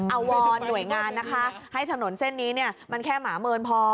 เอาวอนหน่วยงานนะคะให้ถนนเส้นนี้มันแค่หมาเมินพอ